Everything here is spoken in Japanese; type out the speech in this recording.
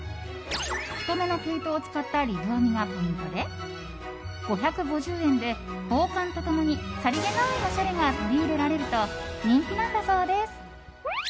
太めの毛糸を使ったリブ編みがポイントで５５０円で防寒と共にさりげないおしゃれが取り入れられると人気なんだそうです。